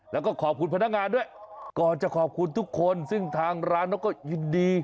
แล้วก็ขอบคุณพนักงานด้วยก่อนจะขอบคุณทุกคนซึ่งทางร้านนกก็ยินดี